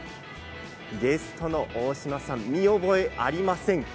ゲストの大島さん見覚えありませんか。